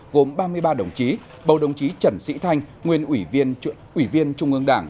gồm ba mươi ba đồng chí bầu đồng chí trần sĩ thanh nguyên ủy viên trung ương đảng